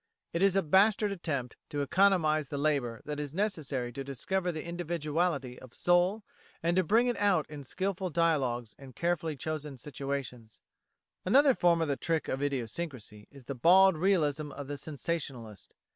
It is a bastard attempt to economise the labour that is necessary to discover individuality of soul and to bring it out in skilful dialogues and carefully chosen situations. Another form of the trick of idiosyncrasy is the bald realism of the sensationalist.